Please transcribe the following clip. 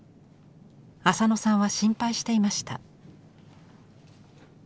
浅野さんは心配していました。